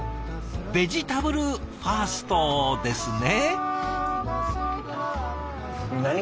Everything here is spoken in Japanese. ベジタブルファーストですね。